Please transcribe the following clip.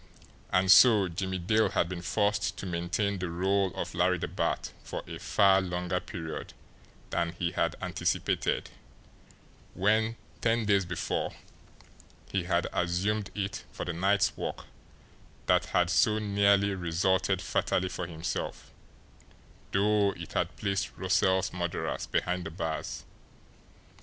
And so Jimmie Dale had been forced to maintain the role of Larry the Bat for a far longer period than he had anticipated when, ten days before, he had assumed it for the night's work that had so nearly resulted fatally for himself, though it had placed Roessle's murderers behind the bars.